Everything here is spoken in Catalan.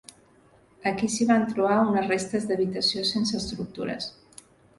Aquí s'hi van trobar unes restes d'habitació sense estructures.